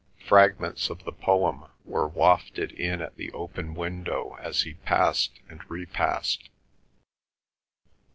Fragments of the poem were wafted in at the open window as he passed and repassed.